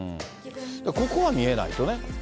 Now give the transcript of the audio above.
ここは見えないとね。